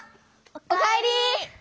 おかえり。